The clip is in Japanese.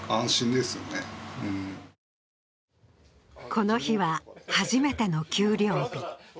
この日は初めての給料日。